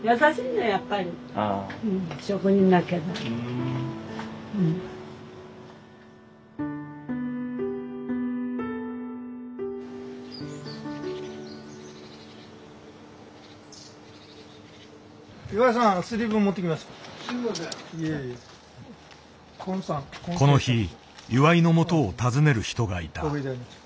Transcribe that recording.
この日岩井のもとを訪ねる人がいた。